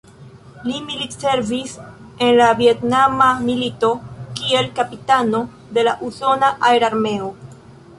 Li militservis en la Vjetnama milito kiel kapitano de la usona aerarmeo.